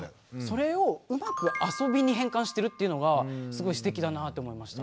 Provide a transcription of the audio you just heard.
それをうまくあそびに変換してるっていうのがすごいすてきだなって思いました。